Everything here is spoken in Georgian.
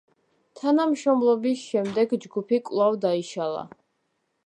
თანამშრომლობის შემდეგ ჯგუფი კვლავ დაიშალა.